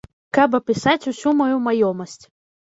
Каб апісаць усю маю маёмасць.